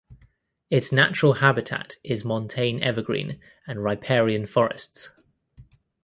Its natural habitat is montane evergreen and riparian forests.